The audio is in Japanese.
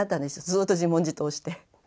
ずっと自問自答して。